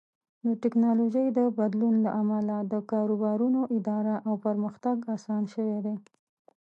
د ټکنالوژۍ د بدلون له امله د کاروبارونو اداره او پرمختګ اسان شوی دی.